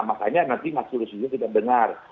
makanya nanti mas tulus itu kita dengar